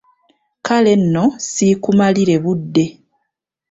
Kale nno siikumalire budde.